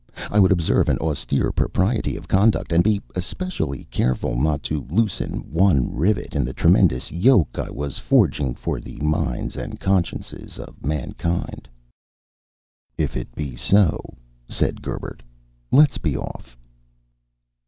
I would observe an austere propriety of conduct, and be especially careful not to loosen one rivet in the tremendous yoke I was forging for the minds and consciences of mankind." "If it be so," said Gerbert, "let's be off!"